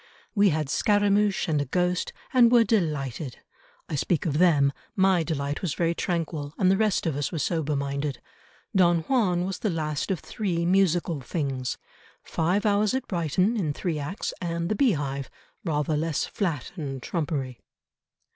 We had Scaramouch and a ghost, and were delighted. I speak of them; my delight was very tranquil, and the rest of us were sober minded. Don Juan was the last of three musical things. Five Hours at Brighton, in three acts, and the Beehive rather less flat and trumpery."